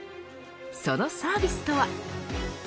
そのサービスとは。